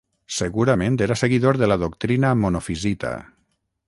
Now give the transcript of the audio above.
Segurament era seguidor de la doctrina monofisita.